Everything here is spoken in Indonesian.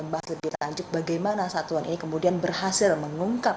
yang nantinya kita akan membahas lebih lanjut bagaimana satuan ini kemudian berhasil mengungkap